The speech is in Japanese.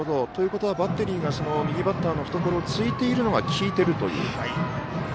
ということはバッテリーが右バッターの懐を突いているのが効いているという。